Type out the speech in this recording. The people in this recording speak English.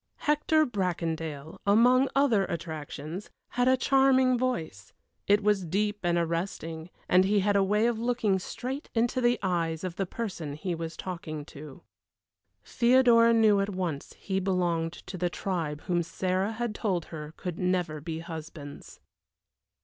Hector Bracondale, among other attractions, had a charming voice; it was deep and arresting, and he had a way of looking straight into the eyes of the person he was talking to. Theodora knew at once he belonged to the tribe whom Sarah had told her could never be husbands.